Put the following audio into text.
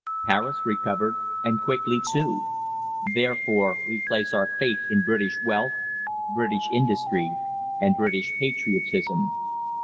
Paris recovered, and quickly too. Therefore we place our faith in British wealth, British industry, and British patriotism.